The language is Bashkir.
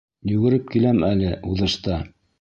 Йүгереп киләм әле уҙышта, —